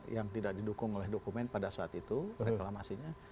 yang tidak didukung oleh dokumen pada saat itu reklamasinya